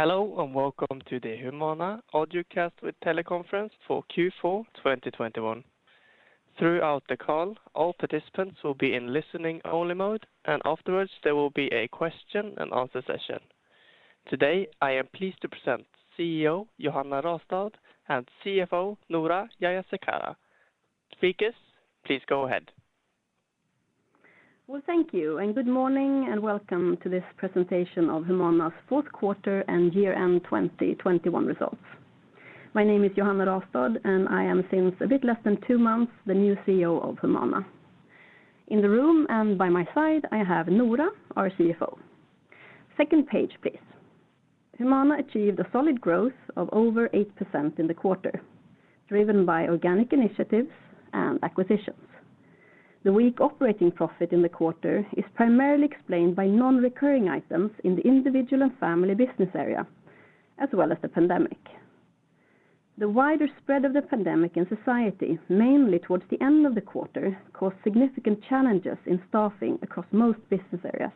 Hello, and welcome to the Humana Audiocast with teleconference for Q4 2021. Throughout the call, all participants will be in listening only mode, and afterwards, there will be a question and answer session. Today, I am pleased to present CEO Johanna Rastad and CFO Noora Jayasekara. Speakers, please go ahead. Well, thank you. Good morning, and welcome to this presentation of Humana's fourth quarter and year-end 2021 results. My name is Johanna Rastad, and I am since a bit less than two months, the new CEO of Humana. In the room and by my side, I have Noora Jayasekara, our CFO. Second page, please. Humana achieved a solid growth of over 8% in the quarter, driven by organic initiatives and acquisitions. The weak operating profit in the quarter is primarily explained by non-recurring items in the Individual & Family business area, as well as the pandemic. The wider spread of the pandemic in society, mainly towards the end of the quarter, caused significant challenges in staffing across most business areas.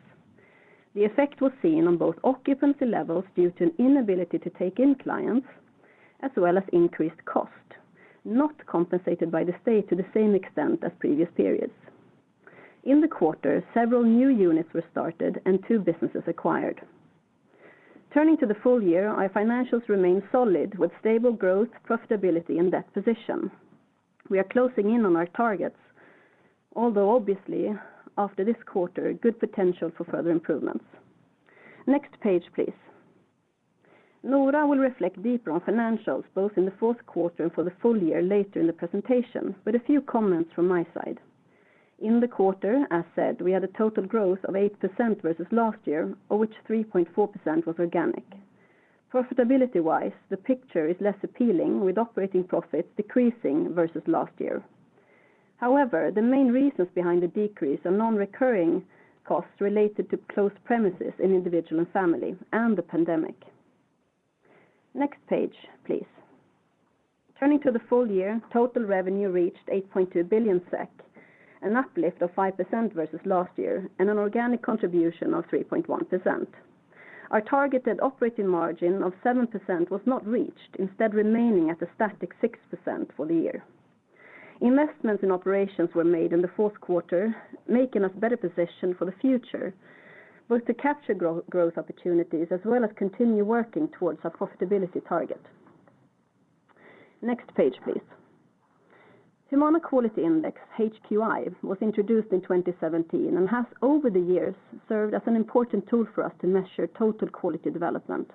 The effect was seen on both occupancy levels due to an inability to take in clients, as well as increased cost, not compensated by the state to the same extent as previous periods. In the quarter, several new units were started and two businesses acquired. Turning to the full year, our financials remain solid with stable growth, profitability, and debt position. We are closing in on our targets, although obviously, after this quarter, good potential for further improvements. Next page, please. Noora will reflect deeper on financials, both in the fourth quarter and for the full year later in the presentation with a few comments from my side. In the quarter, as said, we had a total growth of 8% versus last year, of which 3.4% was organic. Profitability-wise, the picture is less appealing, with operating profits decreasing versus last year. However, the main reasons behind the decrease are non-recurring costs related to closed premises in Individual and Family and the pandemic. Next page, please. Turning to the full year, total revenue reached 8.2 billion SEK, an uplift of 5% versus last year, and an organic contribution of 3.1%. Our targeted operating margin of 7% was not reached, instead remaining at a static 6% for the year. Investments in operations were made in the fourth quarter, making us better positioned for the future, both to capture growth opportunities as well as continue working towards our profitability target. Next page, please. Humana Quality Index, HQI, was introduced in 2017 and has, over the years, served as an important tool for us to measure total quality development.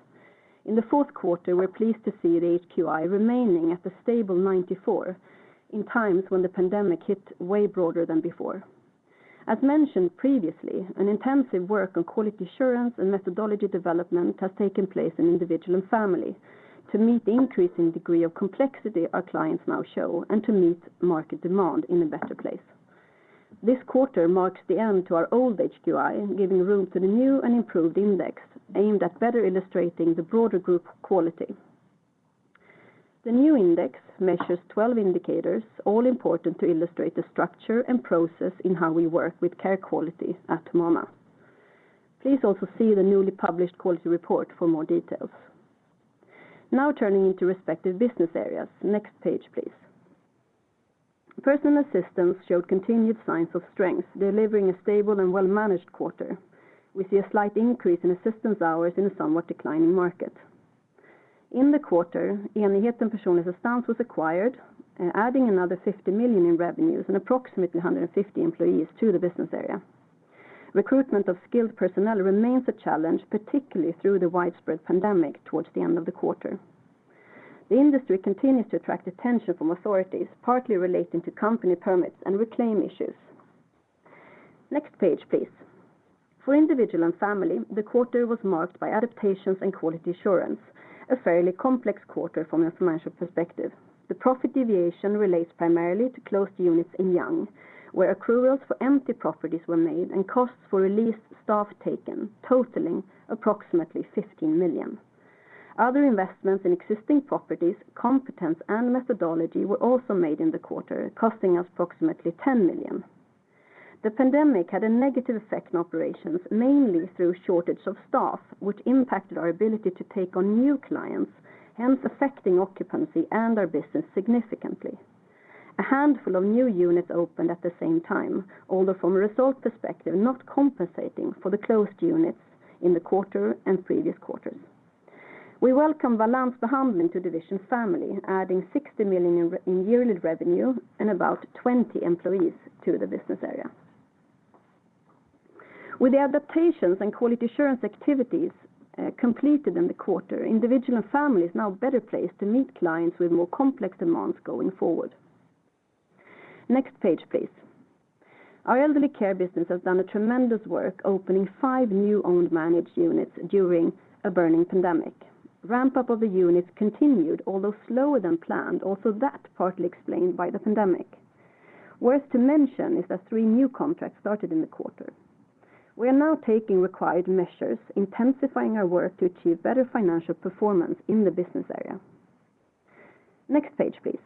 In the fourth quarter, we're pleased to see the HQI remaining at a stable 94 in times when the pandemic hit way broader than before. As mentioned previously, an intensive work on quality assurance and methodology development has taken place in Individual & Family to meet the increasing degree of complexity our clients now show and to meet market demand in a better place. This quarter marks the end to our old HQI, giving room to the new and improved index, aimed at better illustrating the broader group quality. The new index measures 12 indicators, all important to illustrate the structure and process in how we work with care quality at Humana. Please also see the newly published quality report for more details. Now turning to respective business areas. Next page, please. Personal Assistance showed continued signs of strength, delivering a stable and well-managed quarter. We see a slight increase in assistance hours in a somewhat declining market. In the quarter, Enigheten Personlig assistans AB was acquired, adding another 50 million in revenues and approximately 150 employees to the business area. Recruitment of skilled personnel remains a challenge, particularly through the widespread pandemic towards the end of the quarter. The industry continues to attract attention from authorities, partly relating to company permits and reclaim issues. Next page, please. For Individual & Family, the quarter was marked by adaptations and quality assurance, a fairly complex quarter from a financial perspective. The profit deviation relates primarily to closed units in Young, where accruals for empty properties were made and costs for released staff taken, totaling approximately 15 million. Other investments in existing properties, competence, and methodology were also made in the quarter, costing us approximately 10 million. The pandemic had a negative effect on operations, mainly through shortage of staff, which impacted our ability to take on new clients, hence affecting occupancy and our business significantly. A handful of new units opened at the same time, although from a result perspective, not compensating for the closed units in the quarter and previous quarters. We welcome Balans Behandling to Individual & Family, adding 60 million in yearly revenue and about 20 employees to the business area. With the adaptations and quality assurance activities completed in the quarter, Individual & Family is now better placed to meet clients with more complex demands going forward. Next page, please. Our Elderly Care business has done a tremendous work opening five new owned managed units during a raging pandemic. Ramp-up of the units continued, although slower than planned, also that partly explained by the pandemic. Worth to mention is that 3 new contracts started in the quarter. We are now taking required measures, intensifying our work to achieve better financial performance in the business area. Next page, please.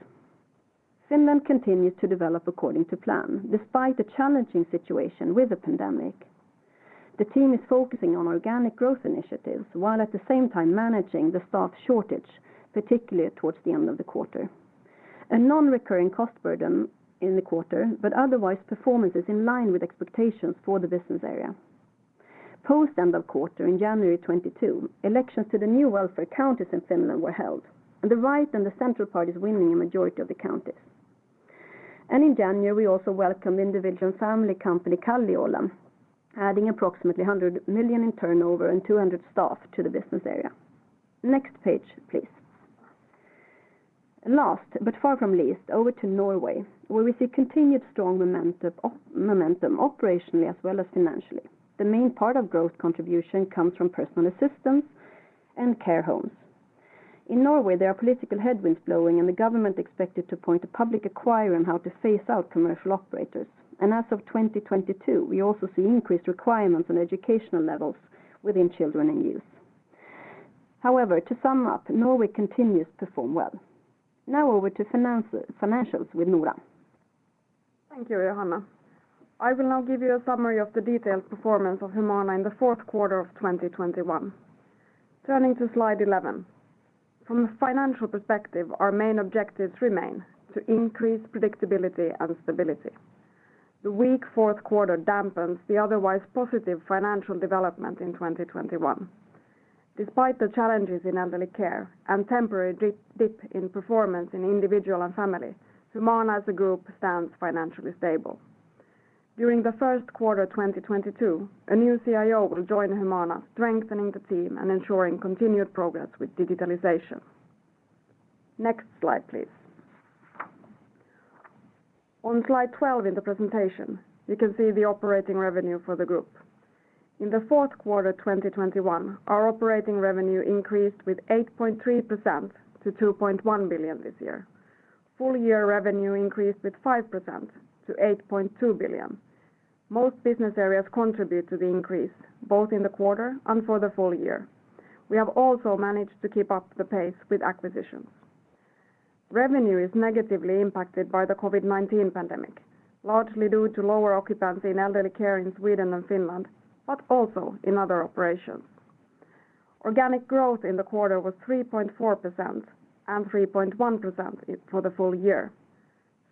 Finland continues to develop according to plan despite the challenging situation with the pandemic. The team is focusing on organic growth initiatives, while at the same time managing the staff shortage, particularly towards the end of the quarter. A non-recurring cost burden in the quarter, but otherwise performance is in line with expectations for the business area. Post end of quarter in January 2022, elections to the new wellbeing services counties in Finland were held, and the right and the central parties winning a majority of the counties. In January, we also welcomed Individual & Family company Kalliola, adding approximately 100 million in turnover and 200 staff to the business area. Next page, please. Last, but far from least, over to Norway, where we see continued strong momentum operationally as well as financially. The main part of growth contribution comes from Personal Assistance and care homes. In Norway, there are political headwinds blowing, and the government expected to appoint a public acquirer on how to phase out commercial operators. As of 2022, we also see increased requirements on educational levels within children and youth. However, to sum up, Norway continues to perform well. Now over to financials with Noora. Thank you, Johanna. I will now give you a summary of the detailed performance of Humana in the fourth quarter of 2021. Turning to slide 11. From a financial perspective, our main objectives remain to increase predictability and stability. The weak fourth quarter dampens the otherwise positive financial development in 2021. Despite the challenges in Elderly Care and temporary dip in performance in Individual & Family, Humana as a group stands financially stable. During the first quarter 2022, a new CIO will join Humana, strengthening the team and ensuring continued progress with digitalization. Next slide, please. On slide 12 in the presentation, you can see the operating revenue for the group. In the fourth quarter, 2021, our operating revenue increased with 8.3% to 2.1 billion this year. Full year revenue increased with 5% to 8.2 billion. Most business areas contribute to the increase, both in the quarter and for the full year. We have also managed to keep up the pace with acquisitions. Revenue is negatively impacted by the COVID-19 pandemic, largely due to lower occupancy in Elderly Care in Sweden and Finland, but also in other operations. Organic growth in the quarter was 3.4% and 3.1% for the full year.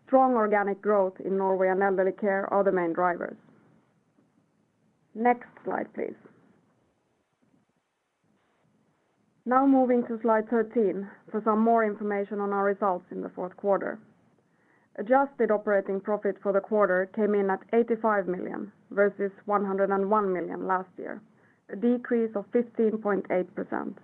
Strong organic growth in Norway and Elderly Care are the main drivers. Next slide, please. Now moving to slide 13 for some more information on our results in the fourth quarter. Adjusted operating profit for the quarter came in at 85 million versus 101 million last year, a decrease of 15.8%.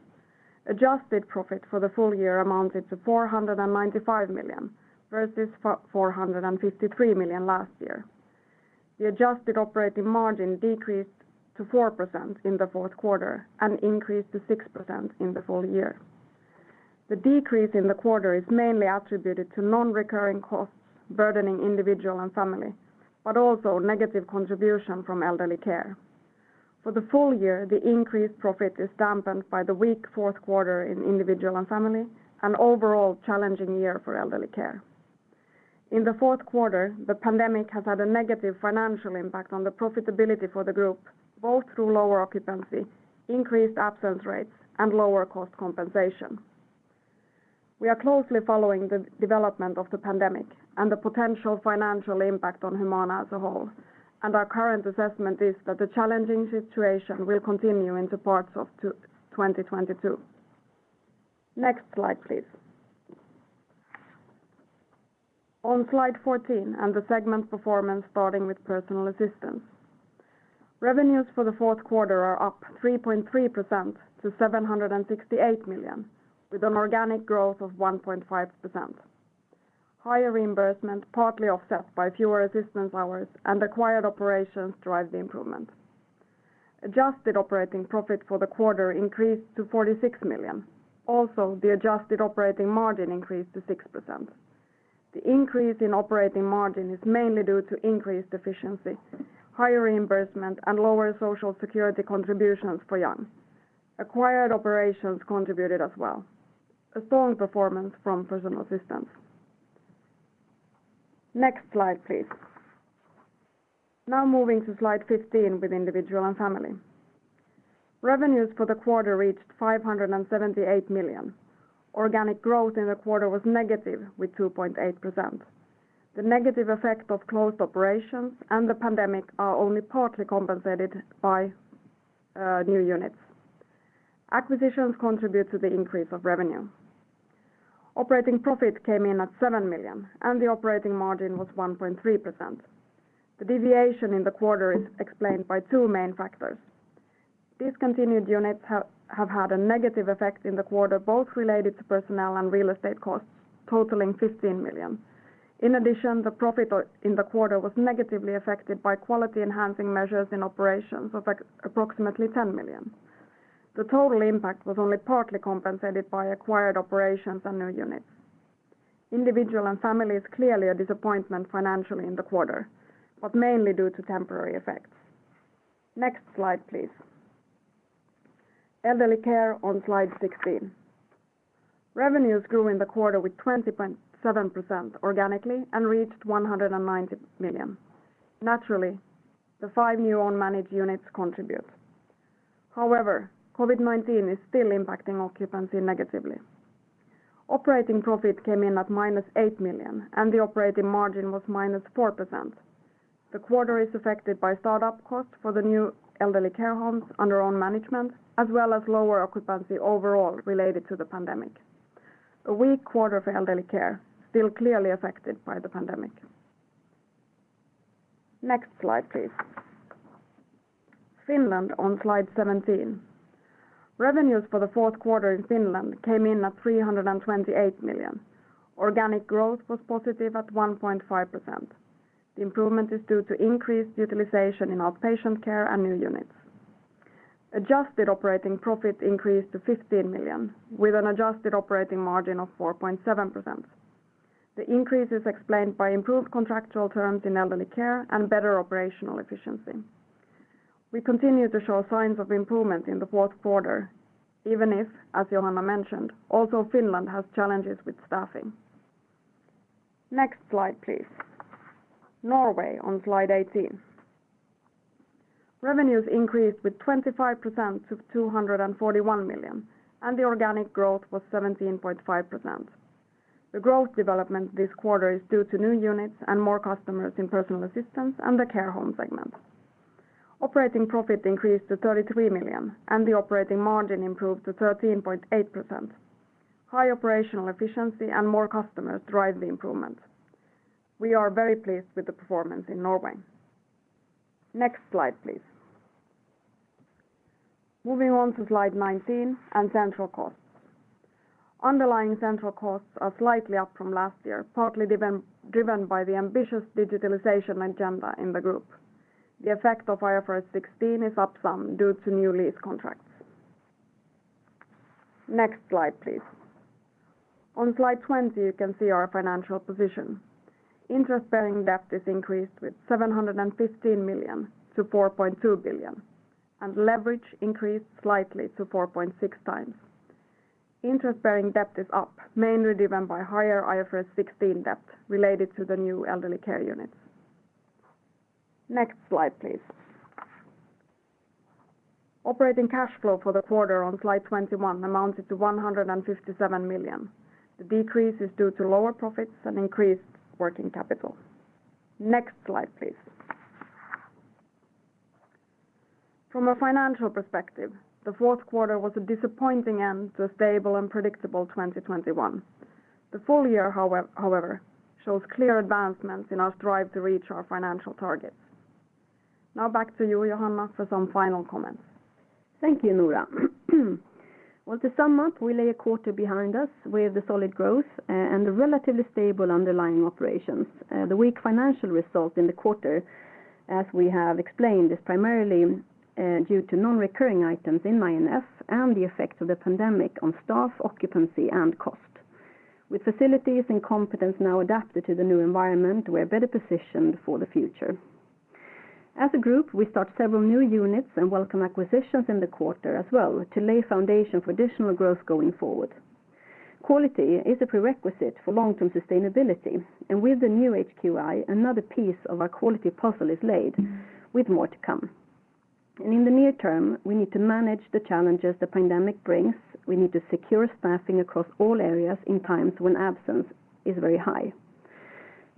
Adjusted profit for the full year amounted to 495 million, versus four hundred and fifty-three million last year. The adjusted operating margin decreased to 4% in the fourth quarter and increased to 6% in the full year. The decrease in the quarter is mainly attributed to non-recurring costs burdening Individual & Family, but also negative contribution from Elderly Care. For the full year, the increased profit is dampened by the weak fourth quarter in Individual & Family, an overall challenging year for Elderly Care. In the fourth quarter, the pandemic has had a negative financial impact on the profitability for the group, both through lower occupancy, increased absence rates, and lower cost compensation. We are closely following the development of the pandemic and the potential financial impact on Humana as a whole, and our current assessment is that the challenging situation will continue into parts of 2022. Next slide, please. On slide 14 and the segment performance starting with Personal Assistance. Revenues for the fourth quarter are up 3.3% to 768 million, with an organic growth of 1.5%. Higher reimbursement partly offset by fewer assistance hours and acquired operations drive the improvement. Adjusted operating profit for the quarter increased to 46 million. Also, the adjusted operating margin increased to 6%. The increase in operating margin is mainly due to increased efficiency, higher reimbursement, and lower Social Security contributions for January. Acquired operations contributed as well. A strong performance from Personal Assistance. Next slide, please. Now moving to slide 15 with Individual & Family. Revenues for the quarter reached 578 million. Organic growth in the quarter was negative 2.8%. The negative effect of closed operations and the pandemic are only partly compensated by new units. Acquisitions contribute to the increase of revenue. Operating profit came in at 7 million, and the operating margin was 1.3%. The deviation in the quarter is explained by two main factors. Discontinued units have had a negative effect in the quarter, both related to personnel and real estate costs, totaling 15 million. In addition, the profit in the quarter was negatively affected by quality enhancing measures in operations of approximately 10 million. The total impact was only partly compensated by acquired operations and new units. Individual & Family is clearly a disappointment financially in the quarter, but mainly due to temporary effects. Next slide, please. Elderly Care on slide 16. Revenues grew in the quarter with 20.7% organically and reached 190 million. Naturally, the five new own managed units contribute. However, COVID-19 is still impacting occupancy negatively. Operating profit came in at -8 million, and the operating margin was -4%. The quarter is affected by startup costs for the new Elderly Care homes under own management, as well as lower occupancy overall related to the pandemic. A weak quarter for Elderly Care, still clearly affected by the pandemic. Next slide, please. Finland on slide 17. Revenues for the fourth quarter in Finland came in at 328 million. Organic growth was positive at 1.5%. The improvement is due to increased utilization in outpatient care and new units. Adjusted operating profit increased to 15 million with an adjusted operating margin of 4.7%. The increase is explained by improved contractual terms in Elderly Care and better operational efficiency. We continue to show signs of improvement in the fourth quarter, even if, as Johanna mentioned, also Finland has challenges with staffing. Next slide, please. Norway on slide 18. Revenues increased with 25% to 241 million, and the organic growth was 17.5%. The growth development this quarter is due to new units and more customers in Personal Assistance and the care home segment. Operating profit increased to 33 million, and the operating margin improved to 13.8%. High operational efficiency and more customers drive the improvement. We are very pleased with the performance in Norway. Next slide, please. Moving on to slide 19 and central costs. Underlying central costs are slightly up from last year, partly driven by the ambitious digitization agenda in the group. The effect of IFRS 16 is up some due to new lease contracts. Next slide, please. On slide 20, you can see our financial position. Interest-bearing debt is increased with 715 million to 4.2 billion, and leverage increased slightly to 4.6x. Interest-bearing debt is up, mainly driven by higher IFRS 16 debt related to the new Elderly Care units. Next slide, please. Operating cash flow for the quarter on slide 21 amounted to 157 million. The decrease is due to lower profits and increased working capital. Next slide, please. From a financial perspective, the fourth quarter was a disappointing end to a stable and predictable 2021. The full year, however, shows clear advancements in our strive to reach our financial targets. Now back to you, Johanna, for some final comments. Thank you, Noora. Well, to sum up, we leave a quarter behind us with the solid growth, and the relatively stable underlying operations. The weak financial result in the quarter, as we have explained, is primarily due to non-recurring items in I&F and the effect of the pandemic on staff, occupancy, and cost. With facilities and competence now adapted to the new environment, we are better positioned for the future. As a group, we start several new units and welcome acquisitions in the quarter as well to lay foundation for additional growth going forward. Quality is a prerequisite for long-term sustainability, and with the new HQI, another piece of our quality puzzle is laid with more to come. In the near term, we need to manage the challenges the pandemic brings. We need to secure staffing across all areas in times when absence is very high.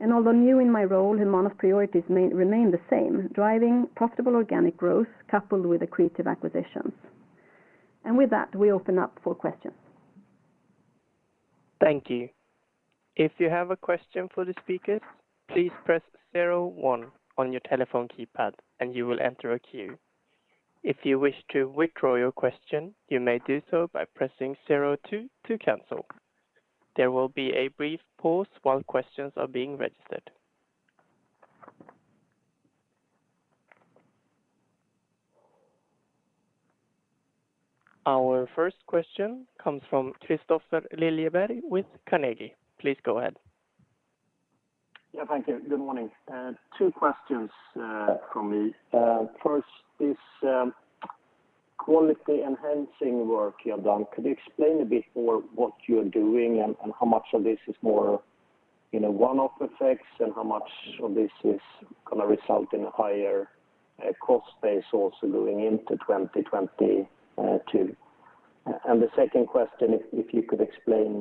Although new in my role, Humana's priorities may remain the same, driving profitable organic growth coupled with accretive acquisitions. With that, we open up for questions. Thank you. If you have a question for the speakers, please press zero one on your telephone keypad, and you will enter a queue. If you wish to withdraw your question, you may do so by pressing zero two to cancel. There will be a brief pause while questions are being registered. Our first question comes from Kristofer Liljeberg with Carnegie. Please go ahead. Yeah, thank you. Good morning. Two questions from me. First is quality enhancing work you have done. Could you explain a bit more what you're doing and how much of this is more, you know, one-off effects, and how much of this is gonna result in a higher cost base also going into 2022? And the second question, if you could explain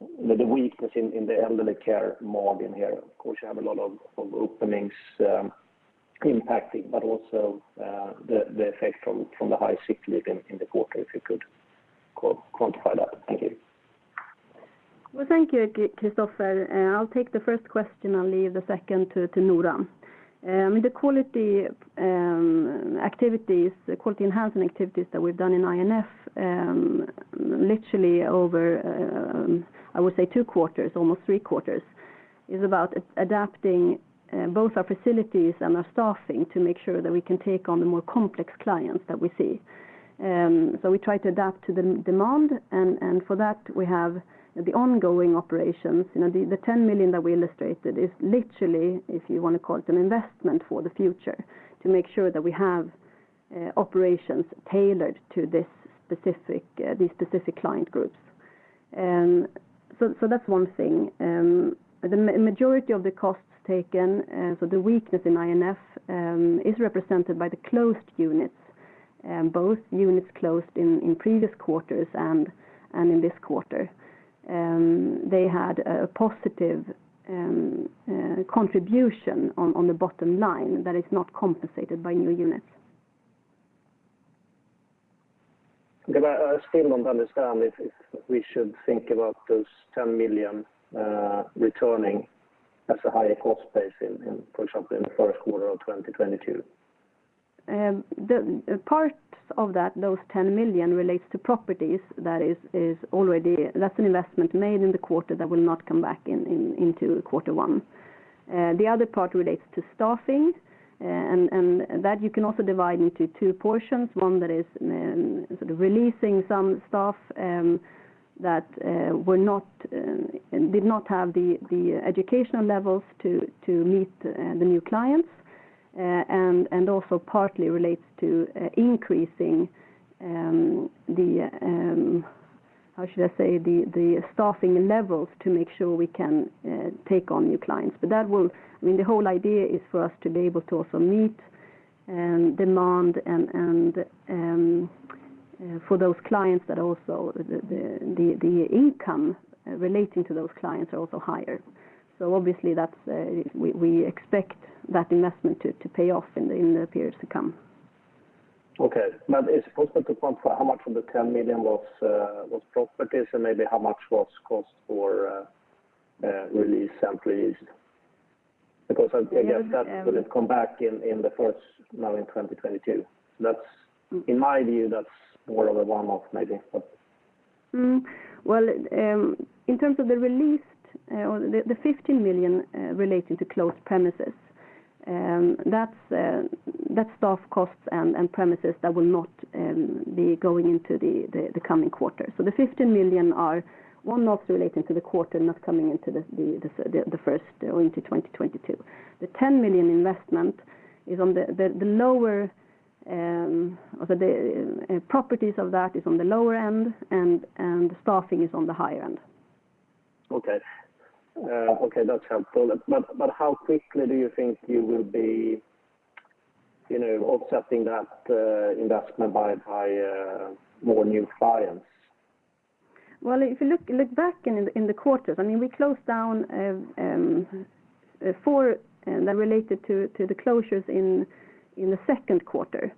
the weakness in the Elderly Care margin here. Of course, you have a lot of openings impacting, but also the effect from the high sick leave in the quarter, if you could quantify that. Thank you. Well, thank you, Kristofer. I'll take the first question. I'll leave the second to Noora. The quality enhancement activities that we've done in I&F literally over I would say two quarters, almost three quarters, is about adapting both our facilities and our staffing to make sure that we can take on the more complex clients that we see. We try to adapt to the demand, and for that, we have the ongoing operations. You know, the 10 million that we illustrated is literally, if you want to call it, an investment for the future to make sure that we have operations tailored to these specific client groups. That's one thing. The majority of the costs taken, and so the weakness in I&F is represented by the closed units, both units closed in previous quarters and in this quarter. They had a positive contribution on the bottom line that is not compensated by new units. I still don't understand if we should think about those 10 million returning as a higher cost base, for example, in the first quarter of 2022. The parts of that those 10 million relates to properties. That's an investment made in the quarter that will not come back into quarter one. The other part relates to staffing, and that you can also divide into two portions, one that is sort of releasing some staff that did not have the educational levels to meet the new clients, and also partly relates to increasing the how should I say, the staffing levels to make sure we can take on new clients. I mean, the whole idea is for us to be able to also meet demand and for those clients that also the income relating to those clients are also higher. Obviously, that's we expect that investment to pay off in the periods to come. Okay. Is it possible to confirm how much of the 10 million was properties and maybe how much was cost for released employees? Because I guess that wouldn't come back in the first now in 2022. That's, in my view, more of a one-off maybe. Well, in terms of the released or the 15 million relating to closed premises, that's staff costs and premises that will not be going into the coming quarter. The 15 million are one-offs relating to the quarter not coming into the first or into 2022. The 10 million investment is on the lower or the properties, that is on the lower end and staffing is on the higher end. Okay. Okay, that's helpful. How quickly do you think you will be, you know, offsetting that investment by more new clients? Well, if you look back in the quarters, I mean, we closed down four that related to the closures in the second quarter.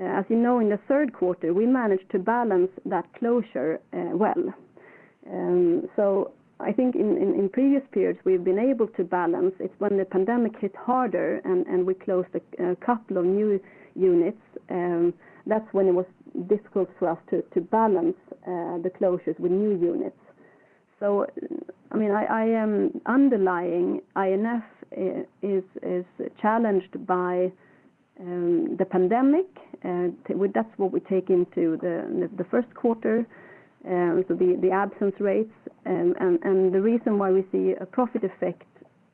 As you know, in the third quarter, we managed to balance that closure well. I think in previous periods, we've been able to balance. It's when the pandemic hit harder and we closed a couple of new units, that's when it was difficult for us to balance the closures with new units. I mean, underlying I&F is challenged by the pandemic. Well, that's what we take into the first quarter, so the absence rates. The reason why we see a profit effect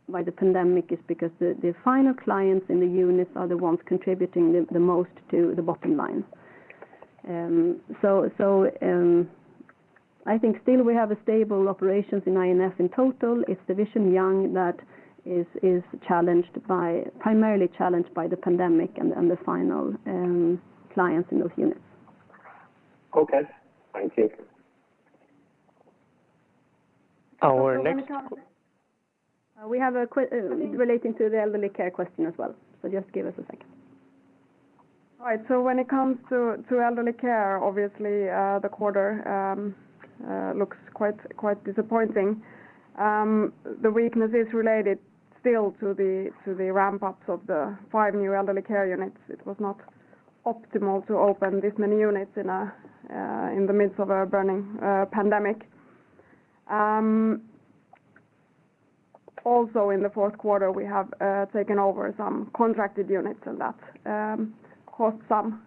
by the pandemic is because the final clients in the units are the ones contributing the most to the bottom line. I think still we have stable operations in I&F in total. It's the Division Young that is primarily challenged by the pandemic and the final clients in those units. Okay. Thank you. Our next- We have a question relating to the Elderly Care question as well. Just give us a second. All right. When it comes to Elderly Care, obviously, the quarter looks quite disappointing. The weakness is related still to the ramp-ups of the five new Elderly Care units. It was not optimal to open this many units in the midst of a burning pandemic. Also in the fourth quarter, we have taken over some contracted units and that cost some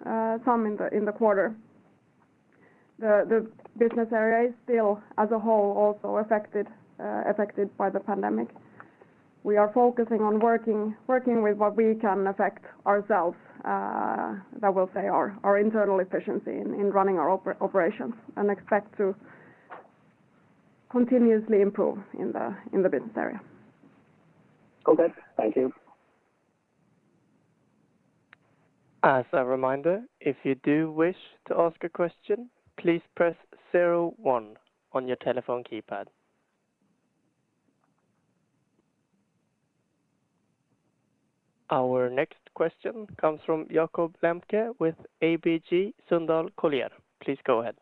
in the quarter. The business area is still as a whole also affected by the pandemic. We are focusing on working with what we can affect ourselves, that will say our internal efficiency in running our operations and expect to continuously improve in the business area. Okay. Thank you. As a reminder, if you do wish to ask a question, please press zero one on your telephone keypad. Our next question comes from Jakob Lembke with ABG Sundal Collier. Please go ahead.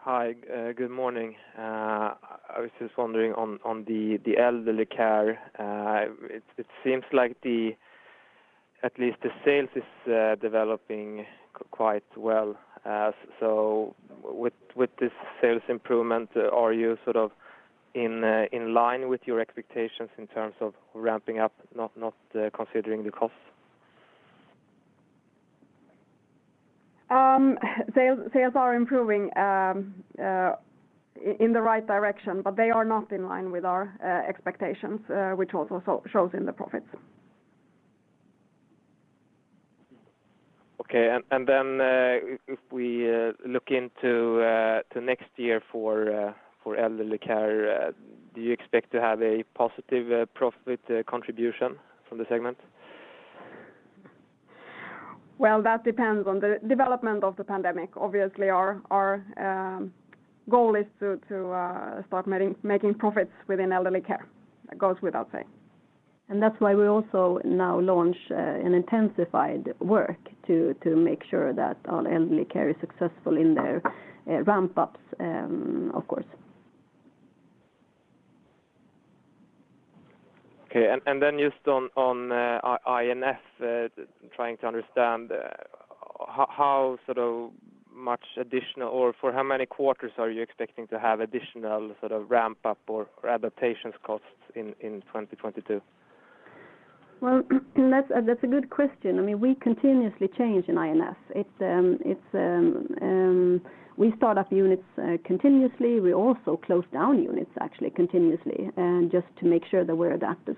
Hi. Good morning. I was just wondering on the Elderly Care, it seems like at least the sales is developing quite well. With this sales improvement, are you sort of in line with your expectations in terms of ramping up, not considering the costs? Sales are improving in the right direction, but they are not in line with our expectations, which also shows in the profits. Okay. If we look into next year for Elderly Care, do you expect to have a positive profit contribution from the segment? Well, that depends on the development of the pandemic. Obviously, our goal is to start making profits within Elderly Care. That goes without saying. That's why we also now launch an intensified work to make sure that our Elderly Care is successful in their ramp-ups, of course. Okay. Then just on I&F, trying to understand how sort of much additional or for how many quarters are you expecting to have additional sort of ramp-up or adaptations costs in 2022? Well, that's a good question. I mean, we continuously change in I&F. We start up units continuously. We also close down units actually continuously, and just to make sure that we're adapted.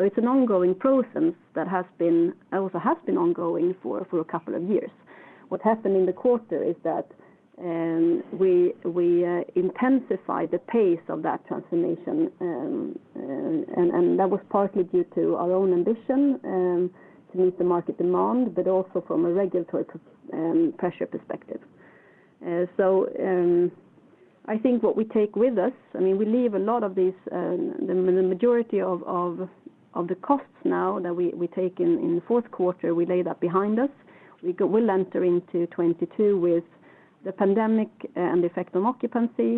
It's an ongoing process that has been ongoing for a couple of years. What happened in the quarter is that we intensified the pace of that transformation. That was partly due to our own ambition to meet the market demand, but also from a regulatory pressure perspective. I think what we take with us, I mean, we leave a lot of these, the majority of the costs now that we take in in the fourth quarter. We lay that behind us. We'll enter into 2022 with the pandemic, and the effect on occupancy,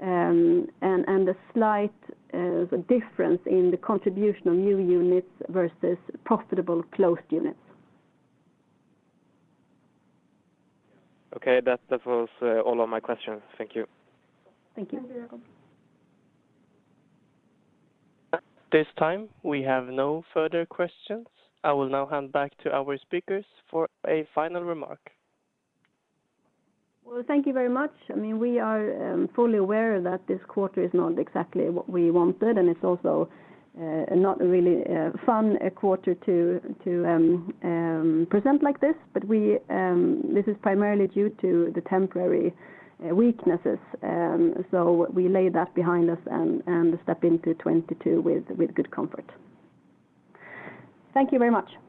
and the slight difference in the contribution of new units versus profitable closed units. Okay. That was all of my questions. Thank you. Thank you. Thank you, Jakob. At this time, we have no further questions. I will now hand back to our speakers for a final remark. Well, thank you very much. I mean, we are fully aware that this quarter is not exactly what we wanted, and it's also not really a fun quarter to present like this. This is primarily due to the temporary weaknesses. We lay that behind us and step into 2022 with good comfort. Thank you very much.